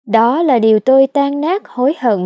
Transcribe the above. đó là điều tôi tan nát hối hận